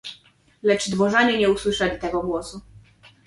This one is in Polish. "Lecz dworzanie nie usłyszeli tego głosu."